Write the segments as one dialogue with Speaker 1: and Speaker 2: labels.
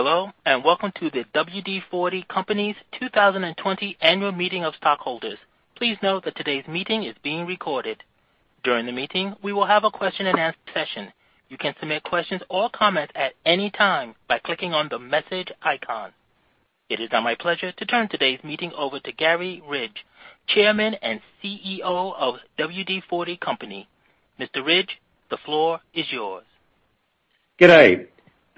Speaker 1: Hello, and welcome to the WD-40 Company's 2020 Annual Meeting of Stockholders. Please note that today's meeting is being recorded. During the meeting, we will have a question and answer session. You can submit questions or comments at any time by clicking on the message icon. It is now my pleasure to turn today's meeting over to Garry Ridge, Chairman and CEO of WD-40 Company. Mr. Ridge, the floor is yours.
Speaker 2: Good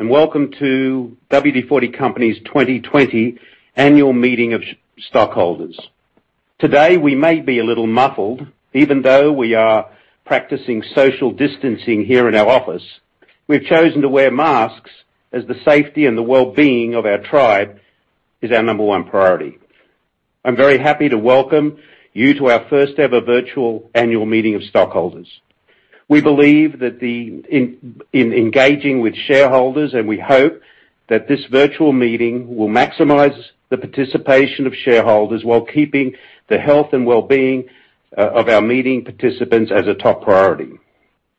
Speaker 2: day, welcome to WD-40 Company's 2020 Annual Meeting of Stockholders. Today, we may be a little muffled even though we are practicing social distancing here in our office. We've chosen to wear masks as the safety and the wellbeing of our tribe is our number one priority. I'm very happy to welcome you to our first-ever virtual Annual Meeting of Stockholders. We believe that in engaging with shareholders, and we hope that this virtual meeting will maximize the participation of shareholders while keeping the health and wellbeing of our meeting participants as a top priority.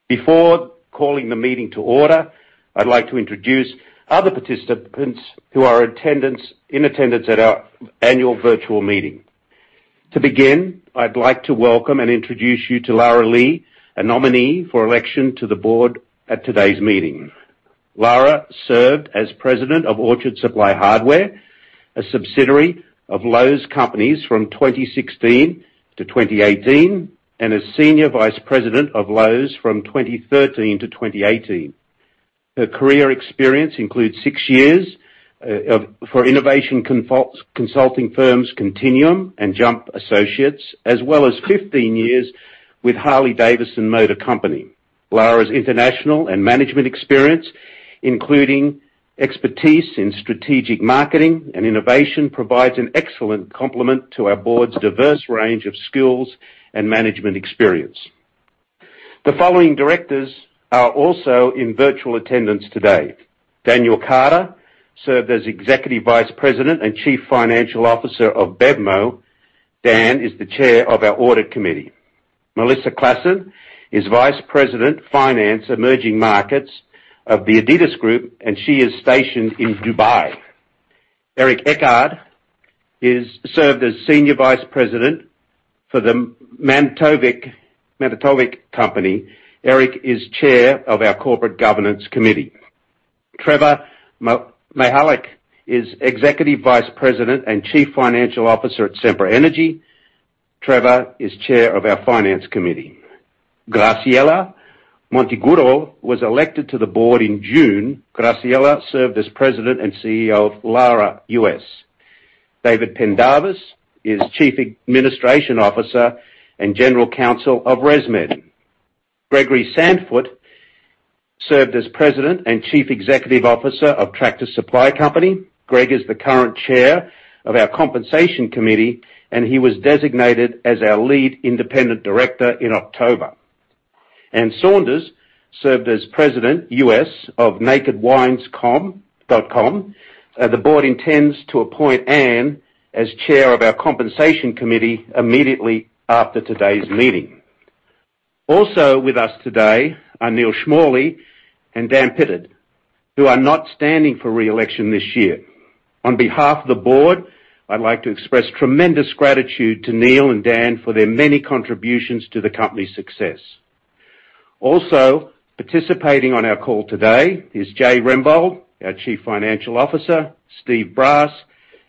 Speaker 2: Before calling the meeting to order, I'd like to introduce other participants who are in attendance at our annual virtual meeting. To begin, I'd like to welcome and introduce you to Lara Lee, a nominee for election to the board at today's meeting. Lara served as President of Orchard Supply Hardware, a subsidiary of Lowe's Companies from 2016-2018, and as Senior Vice President of Lowe's from 2013-2018. Her career experience includes six years for innovation consulting firms Continuum and Jump Associates, as well as 15 years with Harley-Davidson Motor Company. Lara's international and management experience, including expertise in strategic marketing and innovation, provides an excellent complement to our board's diverse range of skills and management experience. The following directors are also in virtual attendance today. Daniel Carter served as Executive Vice President and Chief Financial Officer of BevMo! Dan is the Chair of our Audit Committee. Melissa Claassen is Vice President Finance, Emerging Markets of the Adidas Group. She is stationed in Dubai. Eric Etchart served as Senior Vice President for The Manitowoc Company. Eric is Chair of our Corporate Governance Committee. Trevor Mihalik is Executive Vice President and Chief Financial Officer at Sempra Energy. Trevor is Chair of our Finance Committee. Graciela Monteagudo was elected to the board in June. Graciela served as President and CEO of LALA U.S. David Pendarvis is Chief Administration Officer and General Counsel of ResMed. Gregory Sandfort served as President and Chief Executive Officer of Tractor Supply Company. Greg is the current Chair of our Compensation Committee, and he was designated as our Lead Independent Director in October. Anne Saunders served as President U.S. of nakedwines.com. The board intends to appoint Anne as Chair of our Compensation Committee immediately after today's meeting. Also with us today are Neal Schmale and Dan Pittard, who are not standing for re-election this year. On behalf of the board, I'd like to express tremendous gratitude to Neal and Dan for their many contributions to the company's success. Also participating on our call today is Jay Rembolt, our Chief Financial Officer, Steve Brass,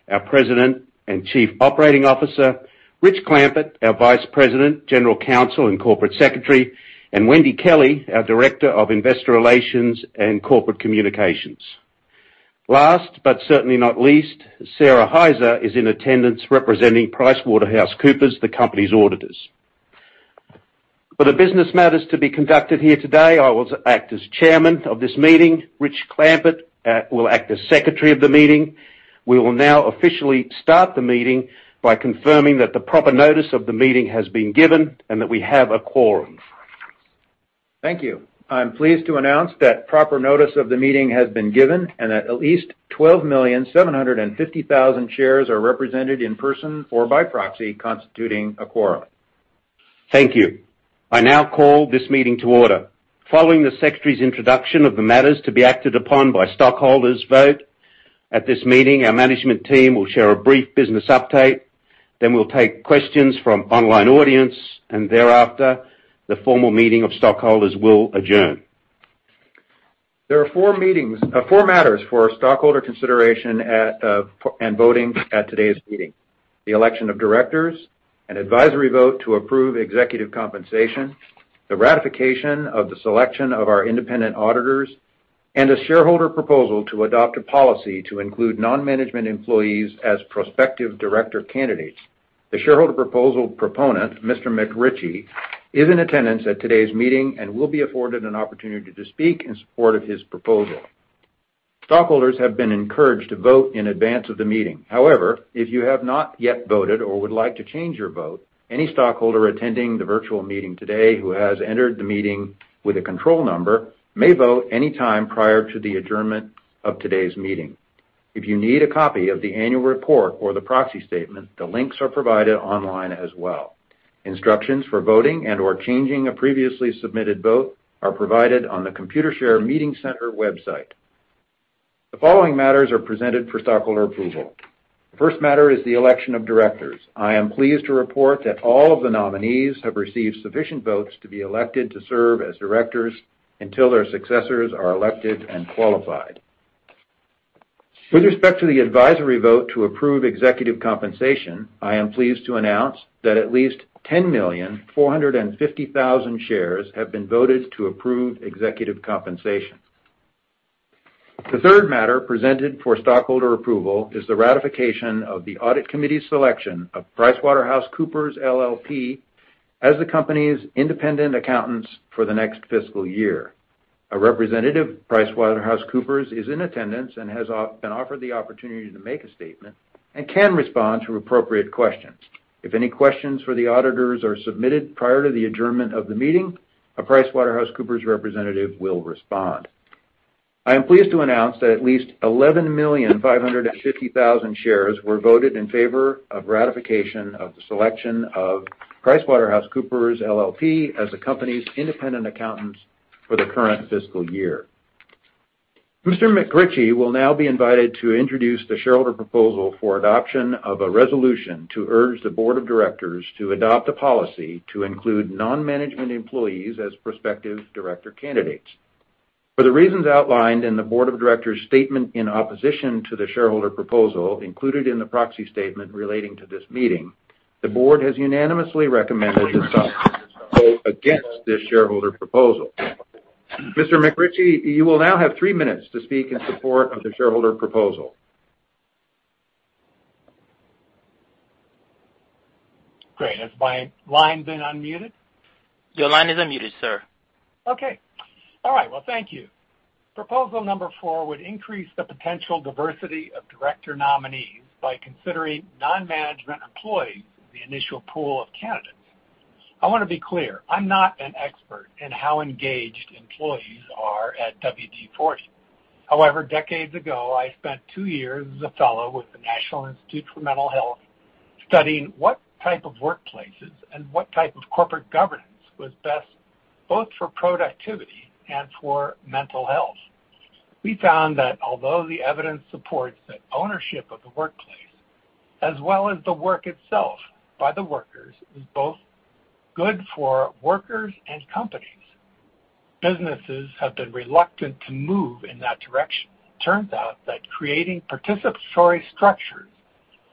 Speaker 2: our President and Chief Operating Officer, Rich Clampitt, our Vice President, General Counsel, and Corporate Secretary, and Wendy Kelley, our Director of Investor Relations and Corporate Communications. Last, but certainly not least, Sara Hyzer is in attendance representing PricewaterhouseCoopers, the company's auditors. For the business matters to be conducted here today, I will act as Chairman of this meeting. Rich Clampitt will act as Secretary of the meeting. We will now officially start the meeting by confirming that the proper notice of the meeting has been given and that we have a quorum.
Speaker 3: Thank you. I'm pleased to announce that proper notice of the meeting has been given and that at least 12,750,000 shares are represented in person or by proxy, constituting a quorum.
Speaker 2: Thank you. I now call this meeting to order. Following the Secretary's introduction of the matters to be acted upon by stockholders vote at this meeting, our management team will share a brief business update. We'll take questions from online audience, and thereafter, the formal meeting of stockholders will adjourn.
Speaker 3: There are four matters for stockholder consideration and voting at today's meeting. The election of directors, an advisory vote to approve executive compensation, the ratification of the selection of our independent auditors, and a shareholder proposal to adopt a policy to include non-management employees as prospective director candidates. The shareholder proposal proponent, Mr. McRitchie, is in attendance at today's meeting and will be afforded an opportunity to speak in support of his proposal. Stockholders have been encouraged to vote in advance of the meeting. However, if you have not yet voted or would like to change your vote, any stockholder attending the virtual meeting today who has entered the meeting with a control number may vote any time prior to the adjournment of today's meeting. If you need a copy of the annual report or the proxy statement, the links are provided online as well. Instructions for voting and/or changing a previously submitted vote are provided on the Computershare Meeting Center website. The following matters are presented for stockholder approval. The first matter is the election of directors. I am pleased to report that all of the nominees have received sufficient votes to be elected to serve as directors until their successors are elected and qualified. With respect to the advisory vote to approve executive compensation, I am pleased to announce that at least 10,450,000 shares have been voted to approve executive compensation. The third matter presented for stockholder approval is the ratification of the audit committee's selection of PricewaterhouseCoopers LLP as the company's independent accountants for the next fiscal year. A representative of PricewaterhouseCoopers is in attendance and has been offered the opportunity to make a statement and can respond to appropriate questions. If any questions for the auditors are submitted prior to the adjournment of the meeting, a PricewaterhouseCoopers representative will respond. I am pleased to announce that at least 11,550,000 shares were voted in favor of ratification of the selection of PricewaterhouseCoopers LLP as the company's independent accountants for the current fiscal year. Mr. McRitchie will now be invited to introduce the shareholder proposal for adoption of a resolution to urge the board of directors to adopt a policy to include non-management employees as prospective director candidates. For the reasons outlined in the board of directors' statement in opposition to the shareholder proposal included in the proxy statement relating to this meeting, the board has unanimously recommended to vote against this shareholder proposal. Mr. McRitchie, you will now have three minutes to speak in support of the shareholder proposal.
Speaker 4: Great. Has my line been unmuted?
Speaker 1: Your line is unmuted, Sir.
Speaker 4: Okay. All right, well, thank you. Proposal number four would increase the potential diversity of director nominees by considering non-management employees in the initial pool of candidates. I want to be clear, I'm not an expert in how engaged employees are at WD-40. However, decades ago, I spent two years as a fellow with the National Institute of Mental Health studying what type of workplaces and what type of corporate governance was best, both for productivity and for mental health. We found that although the evidence supports that ownership of the workplace, as well as the work itself by the workers, is both good for workers and companies, businesses have been reluctant to move in that direction. Turns out that creating participatory structures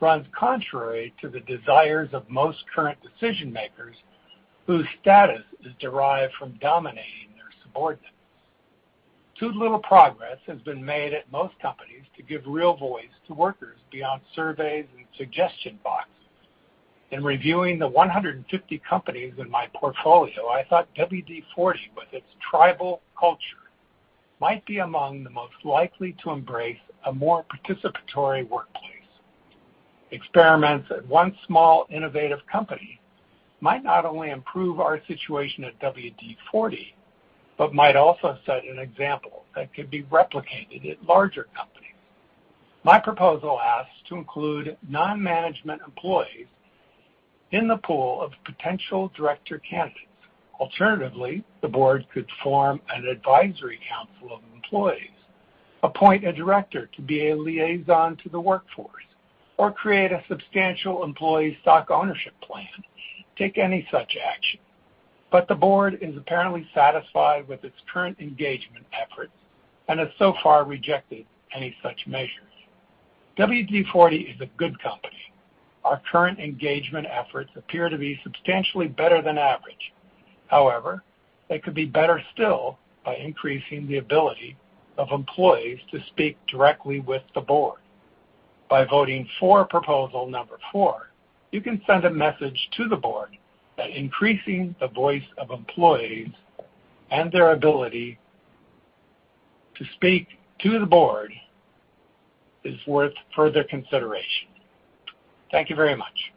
Speaker 4: runs contrary to the desires of most current decision-makers, whose status is derived from dominating their subordinates. Too little progress has been made at most companies to give real voice to workers beyond surveys and suggestion boxes. In reviewing the 150 companies in my portfolio, I thought WD-40, with its tribal culture, might be among the most likely to embrace a more participatory workplace. Experiments at one small innovative company might not only improve our situation at WD-40, but might also set an example that could be replicated at larger companies. My proposal asks to include non-management employees in the pool of potential director candidates. Alternatively, the board could form an advisory council of employees, appoint a director to be a liaison to the workforce, or create a substantial employee stock ownership plan to take any such action. The board is apparently satisfied with its current engagement efforts and has so far rejected any such measures. WD-40 is a good company. Our current engagement efforts appear to be substantially better than average. However, they could be better still by increasing the ability of employees to speak directly with the board. By voting for proposal number four, you can send a message to the board that increasing the voice of employees and their ability to speak to the board is worth further consideration. Thank you very much.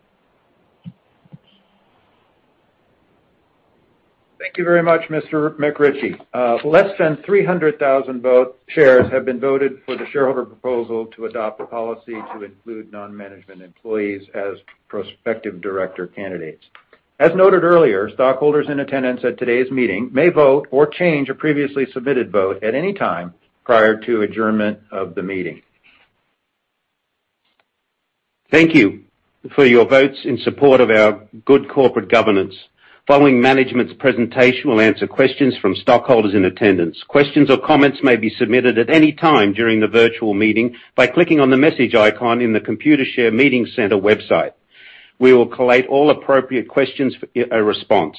Speaker 3: Thank you very much, Mr. McRitchie. Less than 300,000 shares have been voted for the shareholder proposal to adopt a policy to include non-management employees as prospective director candidates. As noted earlier, stockholders in attendance at today's meeting may vote or change a previously submitted vote at any time prior to adjournment of the meeting.
Speaker 2: Thank you for your votes in support of our good corporate governance. Following management's presentation, we'll answer questions from stockholders in attendance. Questions or comments may be submitted at any time during the virtual meeting by clicking on the message icon in the Computershare Meeting Center website. We will collate all appropriate questions for a response.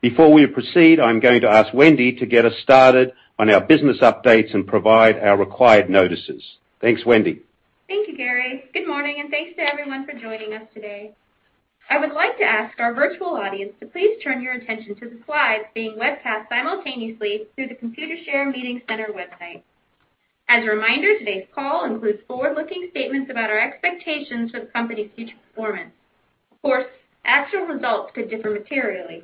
Speaker 2: Before we proceed, I'm going to ask Wendy to get us started on our business updates and provide our required notices. Thanks, Wendy.
Speaker 5: Thank you, Garry. Good morning, and thanks to everyone for joining us today. I would like to ask our virtual audience to please turn your attention to the slides being webcast simultaneously through the Computershare Meeting Center website. As a reminder, today's call includes forward-looking statements about our expectations for the company's future performance. Of course, actual results could differ materially.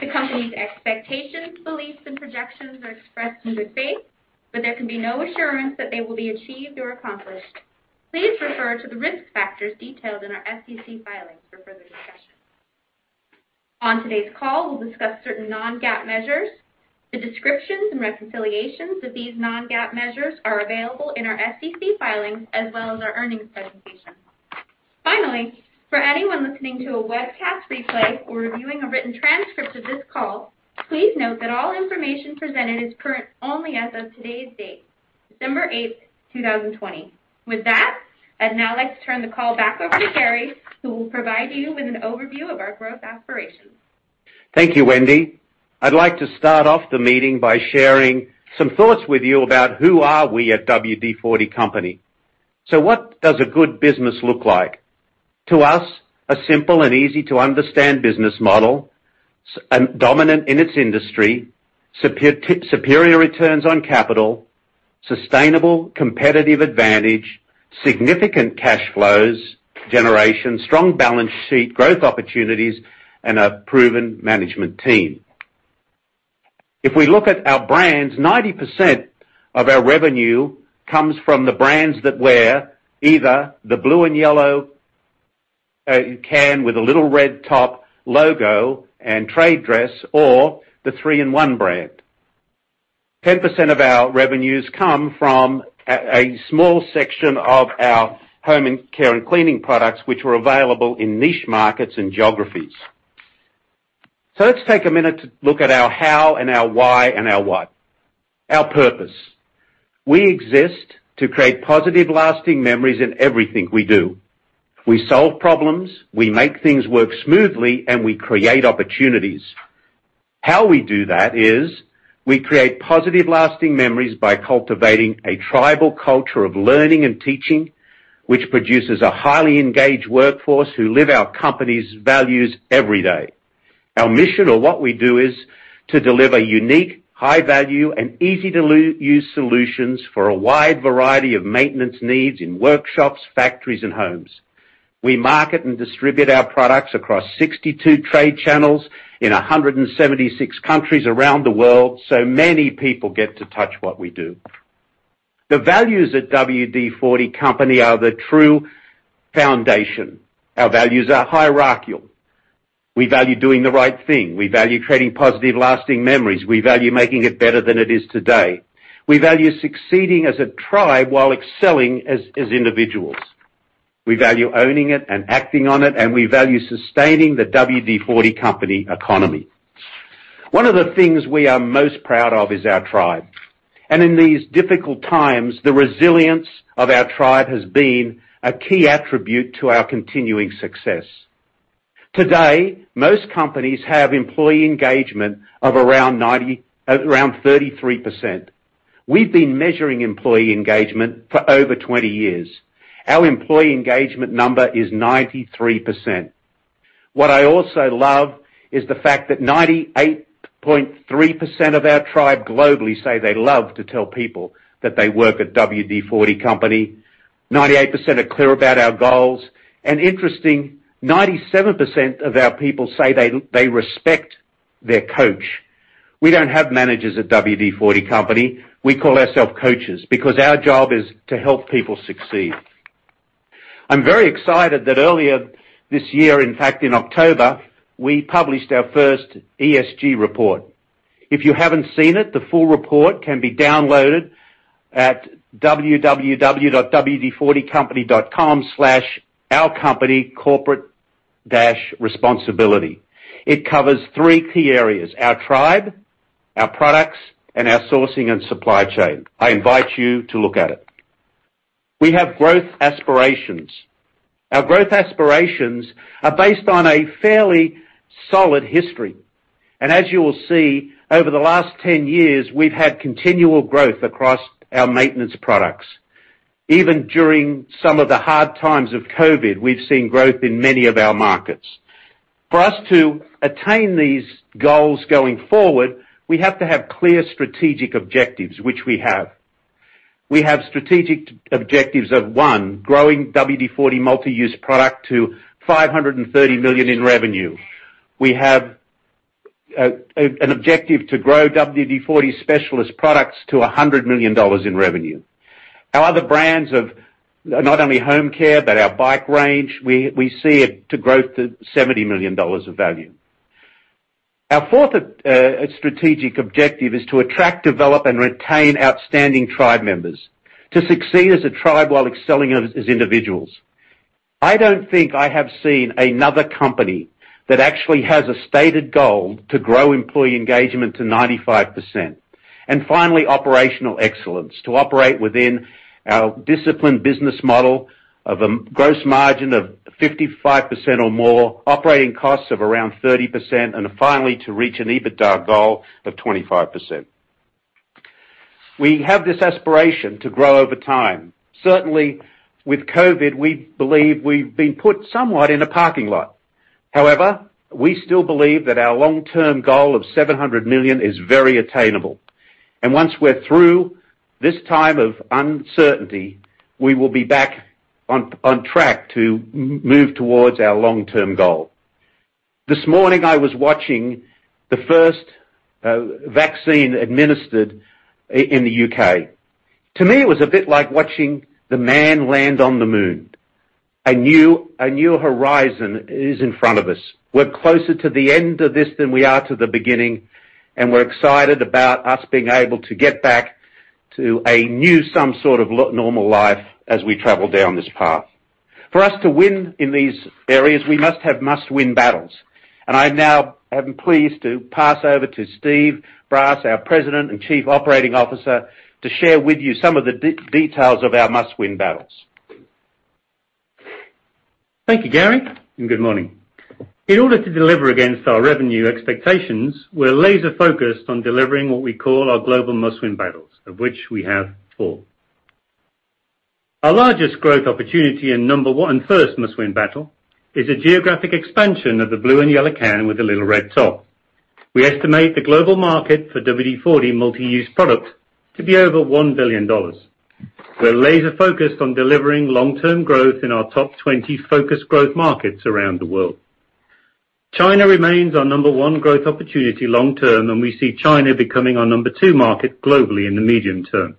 Speaker 5: The company's expectations, beliefs, and projections are expressed in good faith, but there can be no assurance that they will be achieved or accomplished. Please refer to the risk factors detailed in our SEC filings for further discussion. On today's call, we'll discuss certain non-GAAP measures. The descriptions and reconciliations of these non-GAAP measures are available in our SEC filings, as well as our earnings presentation. Finally, for anyone listening to a webcast replay or reviewing a written transcript of this call, please note that all information presented is current only as of today's date, December 8, 2020. With that, I'd now like to turn the call back over to Garry, who will provide you with an overview of our growth aspirations.
Speaker 2: Thank you, Wendy. I'd like to start off the meeting by sharing some thoughts with you about who are we at WD-40 Company. What does a good business look like? To us, a simple and easy to understand business model, dominant in its industry, superior returns on capital, sustainable competitive advantage, significant cash flows, generation, strong balance sheet, growth opportunities, and a proven management team. If we look at our brands, 90% of our revenue comes from the brands that wear either the blue and yellow can with a little red top logo and trade dress, or the 3-IN-ONE brand. 10% of our revenues come from a small section of our home care and cleaning products, which are available in niche markets and geographies. Let's take a minute to look at our how and our why and our what. Our purpose. We exist to create positive, lasting memories in everything we do. We solve problems, we make things work smoothly, and we create opportunities. How we do that is we create positive, lasting memories by cultivating a tribal culture of learning and teaching, which produces a highly engaged workforce who live our company's values every day. Our mission or what we do is to deliver unique, high value, and easy-to-use solutions for a wide variety of maintenance needs in workshops, factories, and homes. We market and distribute our products across 62 trade channels in 176 countries around the world, so many people get to touch what we do. The values at WD-40 Company are the true foundation. Our values are hierarchical. We value doing the right thing. We value creating positive, lasting memories. We value making it better than it is today. We value succeeding as a tribe while excelling as individuals. We value owning it and acting on it, and we value sustaining the WD-40 Company economy. One of the things we are most proud of is our tribe. In these difficult times, the resilience of our tribe has been a key attribute to our continuing success. Today, most companies have employee engagement of around 33%. We've been measuring employee engagement for over 20 years. Our employee engagement number is 93%. What I also love is the fact that 98.3% of our tribe globally say they love to tell people that they work at WD-40 Company, 98% are clear about our goals, and interesting, 97% of our people say they respect their coach. We don't have managers at WD-40 Company. We call ourselves coaches because our job is to help people succeed. I'm very excited that earlier this year, in fact, in October, we published our first ESG report. If you haven't seen it, the full report can be downloaded at www.wd40company.com/ourcompanycorporate-responsibility. It covers three key areas, our tribe, our products, and our sourcing and supply chain. I invite you to look at it. We have growth aspirations. Our growth aspirations are based on a fairly solid history. As you will see, over the last 10 years, we've had continual growth across our maintenance products. Even during some of the hard times of COVID, we've seen growth in many of our markets. For us to attain these goals going forward, we have to have clear strategic objectives, which we have. We have strategic objectives of, one, growing WD-40 Multi-Use Product to $530 million in revenue. We have an objective to grow WD-40 Specialist products to $100 million in revenue. Our other brands of not only home care, but our bike range, we see it to grow to $70 million of value. Our fourth strategic objective is to attract, develop, and retain outstanding tribe members to succeed as a tribe while excelling as individuals. I don't think I have seen another company that actually has a stated goal to grow employee engagement to 95%. Finally, operational excellence to operate within our disciplined business model of a gross margin of 55% or more, operating costs of around 30%, and finally, to reach an EBITDA goal of 25%. We have this aspiration to grow over time. Certainly, with COVID, we believe we've been put somewhat in a parking lot. However, we still believe that our long-term goal of $700 million is very attainable. Once we're through this time of uncertainty, we will be back on track to move towards our long-term goal. This morning, I was watching the first vaccine administered in the U.K. To me, it was a bit like watching the man land on the moon. A new horizon is in front of us. We're closer to the end of this than we are to the beginning, and we're excited about us being able to get back to a new some sort of normal life as we travel down this path. For us to win in these areas, we must have must-win battles, and I now am pleased to pass over to Steve Brass, our President and Chief Operating Officer, to share with you some of the details of our must-win battles.
Speaker 6: Thank you, Garry. Good morning. In order to deliver against our revenue expectations, we're laser-focused on delivering what we call our global must-win battles, of which we have four. Our largest growth opportunity and number one first must-win battle is the geographic expansion of the blue and yellow can with the little red top. We estimate the global market for WD-40 Multi-Use Product to be over $1 billion. We're laser-focused on delivering long-term growth in our top 20 focused growth markets around the world. China remains our number one growth opportunity long term, and we see China becoming our number two market globally in the medium term.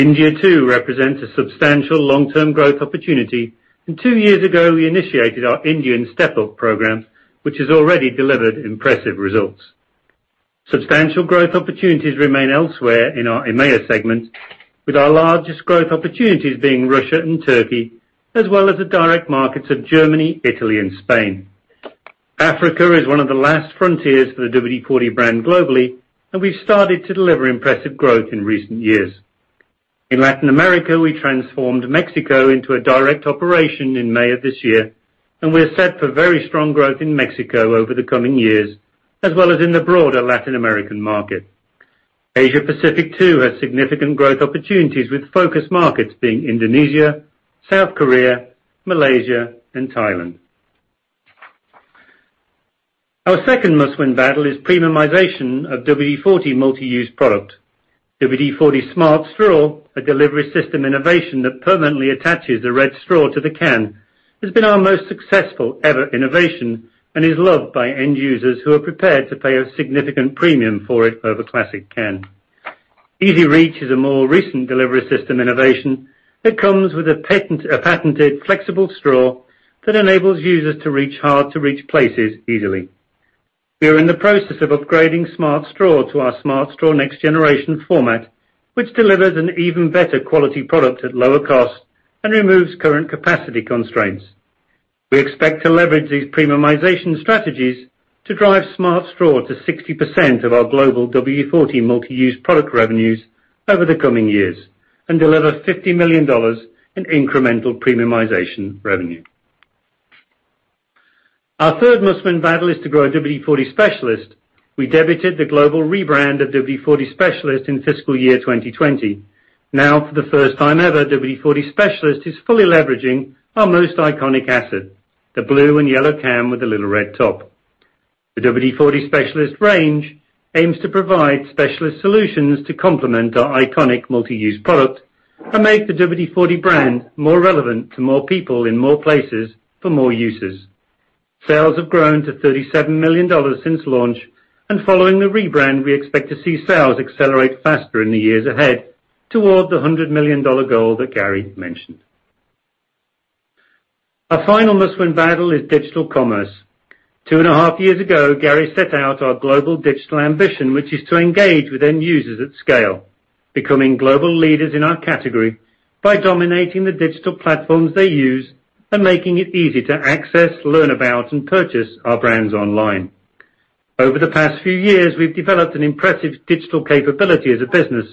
Speaker 6: India too represents a substantial long-term growth opportunity, and two years ago, we initiated our Indian step-up program, which has already delivered impressive results. Substantial growth opportunities remain elsewhere in our EMEA segment, with our largest growth opportunities being Russia and Turkey, as well as the direct markets of Germany, Italy, and Spain. Africa is one of the last frontiers for the WD-40 brand globally, and we've started to deliver impressive growth in recent years. In Latin America, we transformed Mexico into a direct operation in May of this year, and we're set for very strong growth in Mexico over the coming years, as well as in the broader Latin American market. Asia-Pacific, too, has significant growth opportunities, with focus markets being Indonesia, South Korea, Malaysia, and Thailand. Our second must-win battle is premiumization of WD-40 Multi-Use Product. WD-40 Smart Straw, a delivery system innovation that permanently attaches the red straw to the can, has been our most successful ever innovation and is loved by end users who are prepared to pay a significant premium for it over classic can. WD-40 EZ-REACH is a more recent delivery system innovation that comes with a patented flexible straw that enables users to reach hard-to-reach places easily. We are in the process of upgrading Smart Straw to our Smart Straw next generation format, which delivers an even better quality product at lower cost and removes current capacity constraints. We expect to leverage these premiumization strategies to drive Smart Straw to 60% of our global WD-40 Multi-Use Product revenues over the coming years and deliver $50 million in incremental premiumization revenue. Our third must-win battle is to grow WD-40 Specialist. We debuted the global rebrand of WD-40 Specialist in fiscal year 2020. Now, for the first time ever, WD-40 Specialist is fully leveraging our most iconic asset, the blue and yellow can with the little red top. The WD-40 Specialist range aims to provide specialist solutions to complement our iconic Multi-Use Product and make the WD-40 brand more relevant to more people in more places for more uses. Sales have grown to $37 million since launch. Following the rebrand, we expect to see sales accelerate faster in the years ahead toward the $100 million goal that Garry mentioned. Our final must-win battle is digital commerce. 2.5 years ago, Garry set out our global digital ambition, which is to engage with end users at scale, becoming global leaders in our category by dominating the digital platforms they use and making it easy to access, learn about, and purchase our brands online. Over the past few years, we've developed an impressive digital capability as a business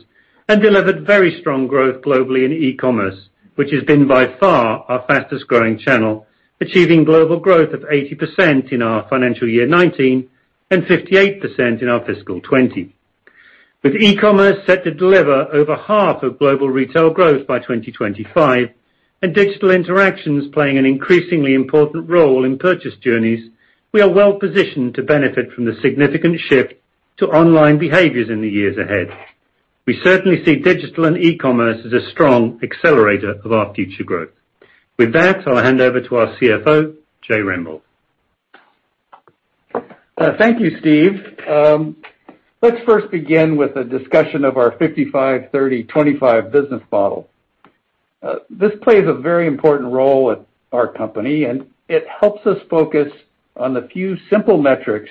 Speaker 6: and delivered very strong growth globally in e-commerce, which has been by far our fastest-growing channel, achieving global growth of 80% in our financial year 2019 and 58% in our fiscal 2020. With e-commerce set to deliver over 1/2 of global retail growth by 2025 and digital interactions playing an increasingly important role in purchase journeys, we are well positioned to benefit from the significant shift to online behaviors in the years ahead. We certainly see digital and e-commerce as a strong accelerator of our future growth. With that, I'll hand over to our CFO, Jay Rembolt.
Speaker 7: Thank you, Steve. Let's first begin with a discussion of our 55/30/25 business model. This plays a very important role at our company, and it helps us focus on the few simple metrics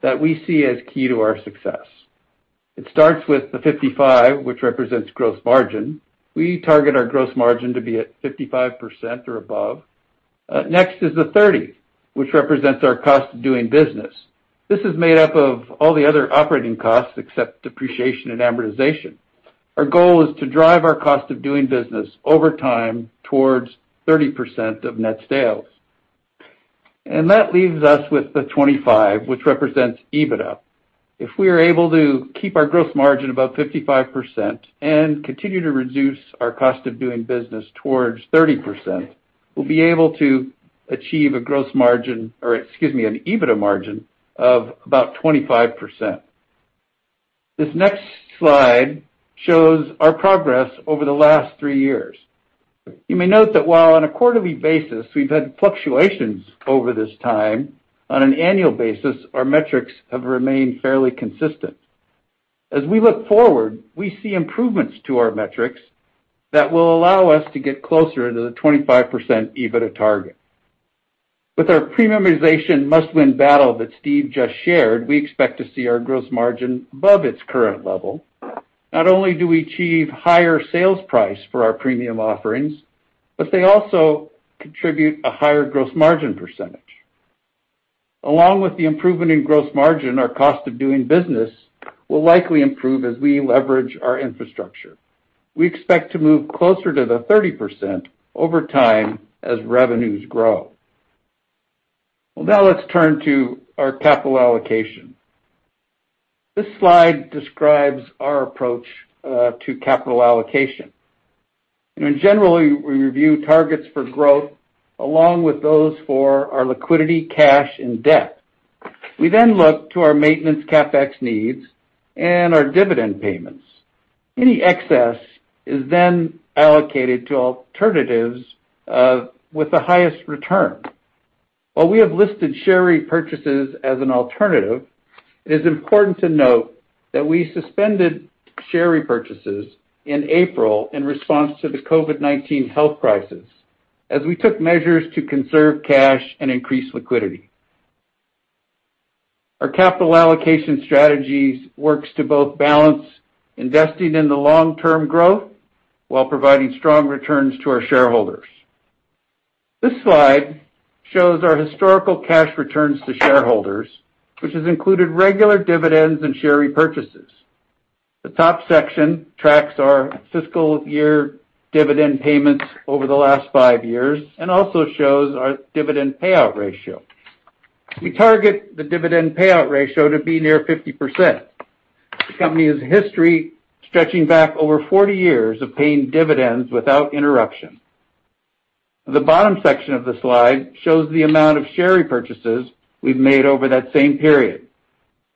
Speaker 7: that we see as key to our success. It starts with the 55, which represents gross margin. We target our gross margin to be at 55% or above. Next is the 30, which represents our cost of doing business. This is made up of all the other operating costs except depreciation and amortization. Our goal is to drive our cost of doing business over time towards 30% of net sales. That leaves us with the 25, which represents EBITDA. If we are able to keep our gross margin above 55% and continue to reduce our cost of doing business towards 30%, we'll be able to achieve an EBITDA margin of about 25%. This next slide shows our progress over the last three years. You may note that while on a quarterly basis, we've had fluctuations over this time, on an annual basis, our metrics have remained fairly consistent. As we look forward, we see improvements to our metrics that will allow us to get closer to the 25% EBITDA target. With our premiumization must-win battle that Steve just shared, we expect to see our gross margin above its current level. Not only do we achieve higher sales price for our premium offerings, but they also contribute a higher gross margin percent. Along with the improvement in gross margin, our cost of doing business will likely improve as we leverage our infrastructure. We expect to move closer to the 30% over time as revenues grow. Well, now let's turn to our capital allocation. This slide describes our approach to capital allocation. In general, we review targets for growth, along with those for our liquidity, cash, and debt. We then look to our maintenance CapEx needs and our dividend payments. Any excess is then allocated to alternatives with the highest return. While we have listed share repurchases as an alternative, it is important to note that we suspended share repurchases in April in response to the COVID-19 health crisis, as we took measures to conserve cash and increase liquidity. Our capital allocation strategies works to both balance investing in the long-term growth while providing strong returns to our shareholders. This slide shows our historical cash returns to shareholders, which has included regular dividends and share repurchases. The top section tracks our fiscal year dividend payments over the last five years and also shows our dividend payout ratio. We target the dividend payout ratio to be near 50%. The company has a history stretching back over 40 years of paying dividends without interruption. The bottom section of the slide shows the amount of share repurchases we've made over that same period.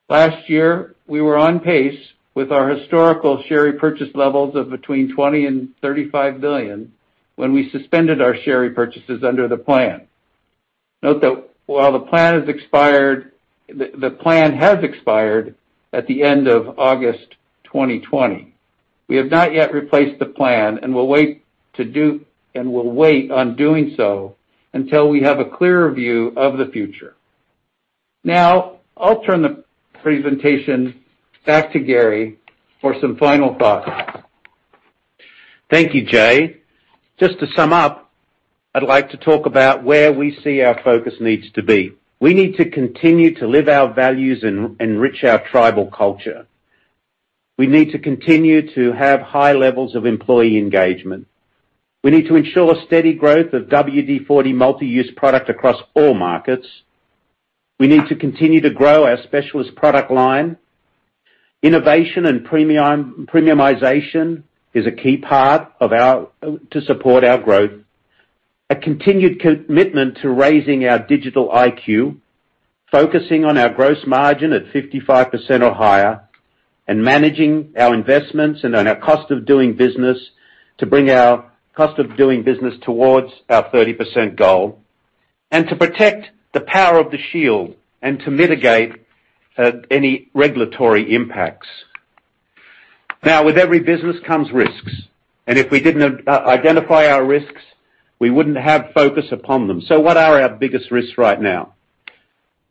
Speaker 7: Last year, we were on pace with our historical share purchase levels of between $20 billion and $35 billion when we suspended our share repurchases under the plan. Note that while the plan has expired at the end of August 2020, we have not yet replaced the plan and will wait on doing so until we have a clearer view of the future. Now, I'll turn the presentation back to Garry for some final thoughts.
Speaker 2: Thank you, Jay. Just to sum up, I'd like to talk about where we see our focus needs to be. We need to continue to live our values and enrich our tribal culture. We need to continue to have high levels of employee engagement. We need to ensure steady growth of WD-40 Multi-Use Product across all markets. We need to continue to grow our specialist product line. Innovation and premiumization is a key part to support our growth. A continued commitment to raising our digital IQ, focusing on our gross margin at 55% or higher, and managing our investments and our cost of doing business to bring our cost of doing business towards our 30% goal, and to protect the power of the shield and to mitigate any regulatory impacts. Now, with every business comes risks, and if we didn't identify our risks, we wouldn't have focus upon them. What are our biggest risks right now?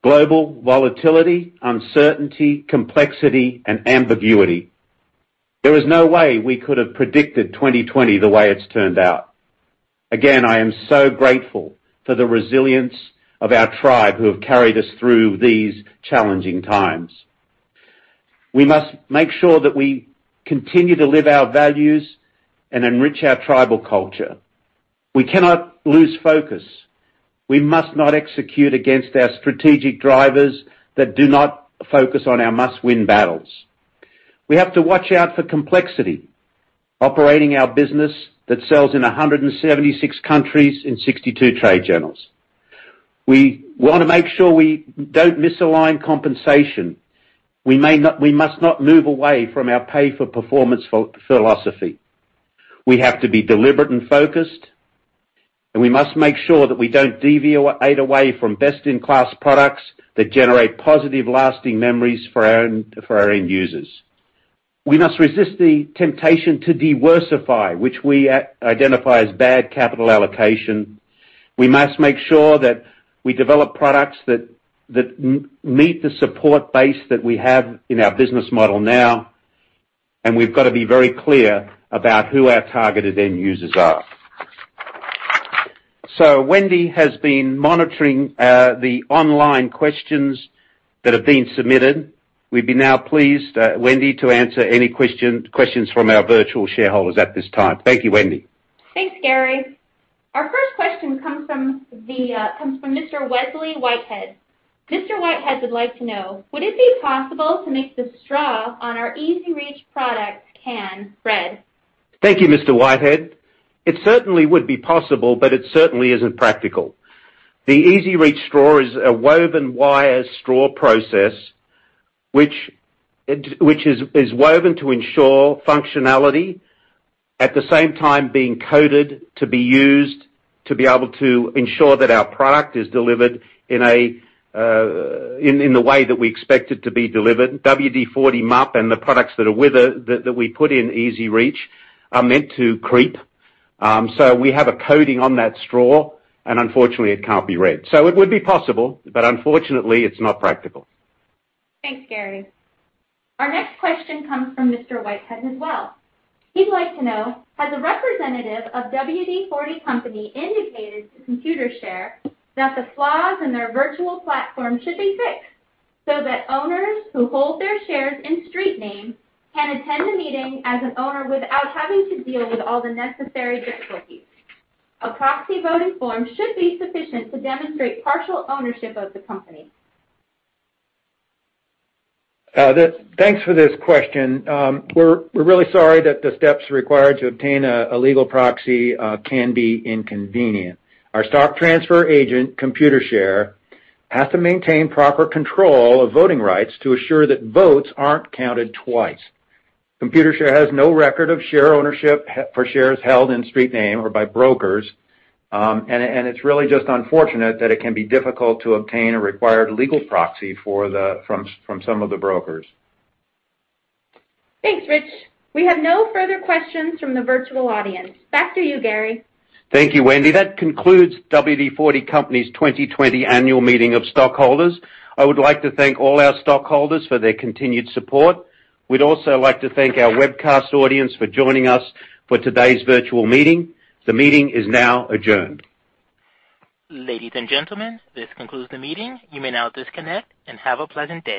Speaker 2: Global volatility, uncertainty, complexity, and ambiguity. There is no way we could have predicted 2020 the way it's turned out. Again, I am so grateful for the resilience of our tribe who have carried us through these challenging times. We must make sure that we continue to live our values and enrich our tribal culture. We cannot lose focus. We must not execute against our strategic drivers that do not focus on our must-win battles. We have to watch out for complexity, operating our business that sells in 176 countries in 62 trade journals. We want to make sure we don't misalign compensation. We must not move away from our pay-for-performance philosophy. We have to be deliberate and focused, and we must make sure that we don't deviate away from best-in-class products that generate positive, lasting memories for our end users. We must resist the temptation to diworsify, which we identify as bad capital allocation. We must make sure that we develop products that meet the support base that we have in our business model now, and we've got to be very clear about who our targeted end users are. Wendy has been monitoring the online questions that have been submitted. We'd be now pleased, Wendy, to answer any questions from our virtual shareholders at this time. Thank you, Wendy.
Speaker 5: Thanks, Garry. Our first question comes from Mr. Wesley Whitehead. Mr. Whitehead would like to know, would it be possible to make the straw on our WD-40 EZ-REACH product can, red?
Speaker 2: Thank you, Mr. Whitehead. It certainly would be possible, but it certainly isn't practical. The EZ-REACH straw is a woven wire straw process which is woven to ensure functionality, at the same time being coated to be used to be able to ensure that our product is delivered in the way that we expect it to be delivered. WD-40 MUP and the products that are with it, that we put in EZ-REACH, are meant to creep. We have a coating on that straw, and unfortunately it can't be read. It would be possible, but unfortunately, it's not practical.
Speaker 5: Thanks, Garry. Our next question comes from Mr. Whitehead as well. He'd like to know, has a representative of WD-40 Company indicated to Computershare that the flaws in their virtual platform should be fixed so that owners who hold their shares in street name can attend a meeting as an owner without having to deal with all the necessary difficulties? A proxy voting form should be sufficient to demonstrate partial ownership of the company.
Speaker 3: Thanks for this question. We're really sorry that the steps required to obtain a legal proxy can be inconvenient. Our stock transfer agent, Computershare, has to maintain proper control of voting rights to assure that votes aren't counted twice. Computershare has no record of share ownership for shares held in street name or by brokers. It's really just unfortunate that it can be difficult to obtain a required legal proxy from some of the brokers.
Speaker 5: Thanks, Rich. We have no further questions from the virtual audience. Back to you, Garry.
Speaker 2: Thank you, Wendy. That concludes WD-40 Company's 2020 annual meeting of stockholders. I would like to thank all our stockholders for their continued support. We'd also like to thank our webcast audience for joining us for today's virtual meeting. The meeting is now adjourned.
Speaker 1: Ladies and gentlemen, this concludes the meeting. You may now disconnect and have a pleasant day.